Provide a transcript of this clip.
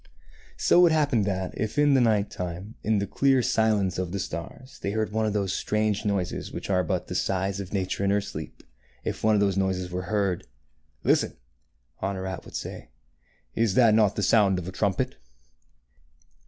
So it happened that, if in the night time, in the clear silence of the stars, they heard one of those strange noises which are but the sighs of Nature in her sleep, — if one of these noises were heard, " Listen," Honorat would say, " is not that the sound of a trumpet